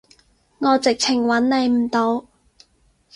我直情揾你唔到